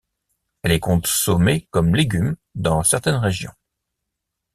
Elle est consommée comme légume dans certaines régions.